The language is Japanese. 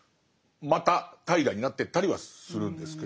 また怠惰になってったりはするんですけど。